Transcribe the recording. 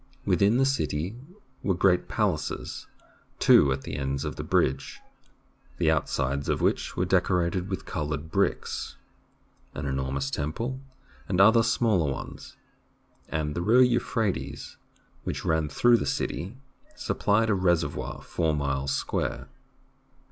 Within the city were great palaces, two at the ends of the bridge, the outsides of which were decorated with coloured bricks, an enormous temple, and other smaller ones; and the river Euphrates, which ran through the city, supplied a reservoir four miles square.